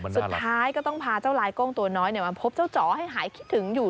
สุดท้ายก็ต้องพาเจ้าลายโก้งตัวน้อยมาพบเจ้าจ๋อให้หายคิดถึงอยู่